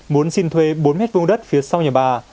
muốn xin thuê bốn mét vùng đất phía sau nhà bà